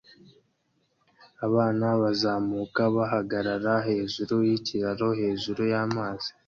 Abana bazamuka bahagarara hejuru yikiraro hejuru yamazi